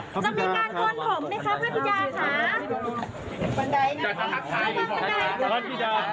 พระบิดากล้ากินฉี่ตัวเองไหมครับ